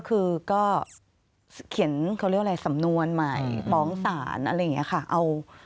คือก็เขียนเขาเรียกอะไรสำนวนใหม่ฟ้องศาลอะไรอย่างนี้ค่ะ